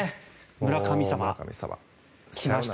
村神様。来ました。